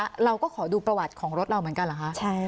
เราก็ขอดูประวัติของรถเราเหมือนกันเหรอคะ